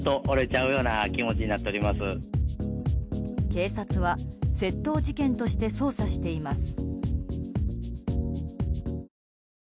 警察は窃盗事件として捜査しています。